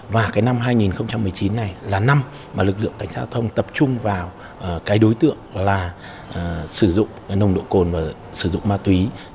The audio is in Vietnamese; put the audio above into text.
và năm hai nghìn một mươi chín này là năm lực lượng cảnh sát giao thông tập trung vào đối tượng sử dụng nồng độ cồn và ma túy